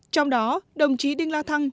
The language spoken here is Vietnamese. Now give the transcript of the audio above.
trong đó đồng chí đinh la thăng